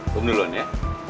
gue duluan ya